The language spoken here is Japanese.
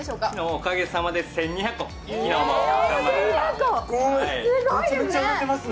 おかげさまで１２００個、昨日も頑張って売りました。